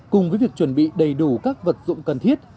cùng với việc chuẩn bị đầy đủ các vật dụng cần thiết